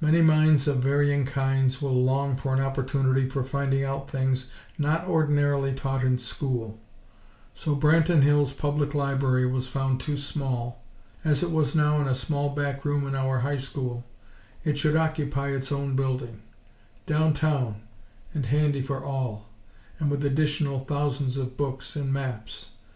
Many minds of varying kinds will long for an opportunity for finding out things not ordinarily taught in school. So Branton Hills' Public Library was found too small. As it was now in a small back room in our High School, it should occupy its own building; down town, and handy for all; and with additional thousands of books and maps.